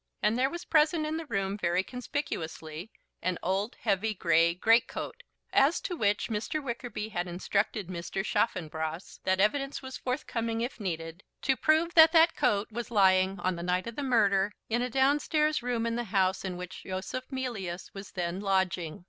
And there was present in the room, very conspicuously, an old heavy grey great coat, as to which Mr. Wickerby had instructed Mr. Chaffanbrass that evidence was forthcoming, if needed, to prove that that coat was lying on the night of the murder in a downstairs room in the house in which Yosef Mealyus was then lodging.